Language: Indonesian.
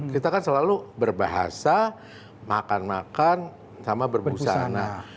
kita kan selalu berbahasa makan makan sama berbusana